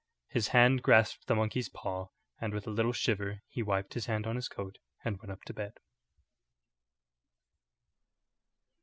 His hand grasped the monkey's paw, and with a little shiver he wiped his hand on his coat and went up to bed.